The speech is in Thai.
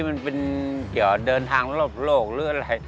มันเป็นเกี่ยวเดินทางรอบโลกหรืออะไร